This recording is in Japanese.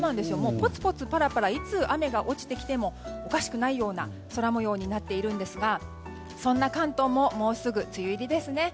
ポツポツ、パラパラいつ雨が落ちてきてもおかしくないような空模様になっているんですがそんな関東ももうすぐ梅雨入りです。